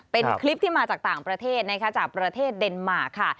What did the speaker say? เป็นคลิปที่มาจากต่างประเทศนะคะจากประเทศเดนมาร์ค่ะ